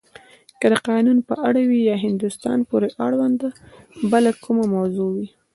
که د قانون په اړه وی یا هندوستان پورې اړونده بله کومه موضوع وی.